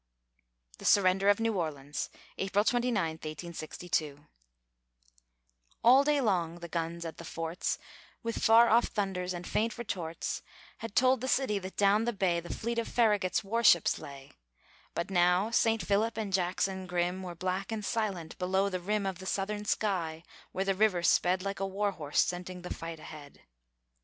THE SURRENDER OF NEW ORLEANS [April 29, 1862] All day long the guns at the forts, With far off thunders and faint retorts, Had told the city that down the bay The fleet of Farragut's war ships lay; But now St. Philip and Jackson grim Were black and silent below the rim Of the southern sky, where the river sped Like a war horse scenting the fight ahead.